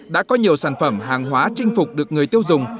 đã có nhiều sản phẩm hàng hóa chinh phục được người tiêu dùng